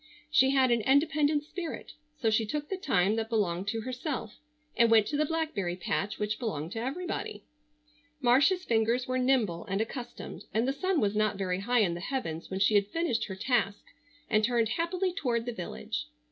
She had an independent spirit, so she took the time that belonged to herself, and went to the blackberry patch which belonged to everybody. Marcia's fingers were nimble and accustomed, and the sun was not very high in the heavens when she had finished her task and turned happily toward the village.